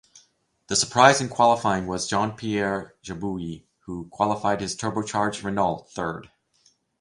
The surprise in qualifying was Jean-Pierre Jabouille who qualified his turbocharged Renault third.